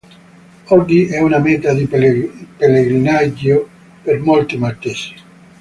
Oggi è una meta di pellegrinaggio per molti maltesi.